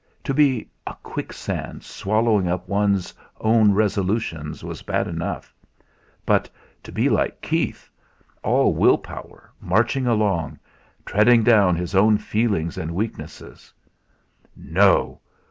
To be a quicksand swallowing up one's own resolutions was bad enough! But to be like Keith all willpower, marching along, treading down his own feelings and weaknesses! No!